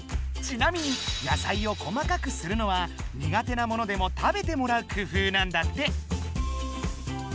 ちなみに野菜を細かくするのはニガテなものでも食べてもらう工夫なんだって。